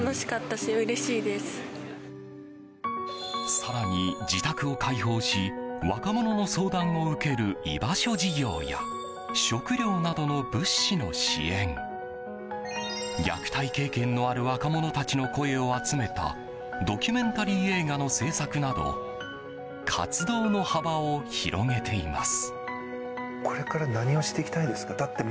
更に、自宅を開放し若者の相談を受ける居場所事業や食料などの物資の支援虐待経験のある若者たちの声を集めたドキュメンタリー映画の制作など活動の幅を広げています。